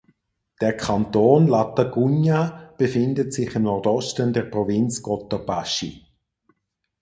Der Kanton Latacunga befindet sich im Nordosten der Provinz Cotopaxi.